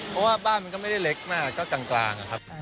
เพราะว่าบ้านมันก็ไม่ได้เล็กมากก็กลางอะครับ